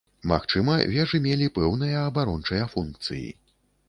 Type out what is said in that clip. Магчыма, вежы мелі пэўныя абарончыя функцыі.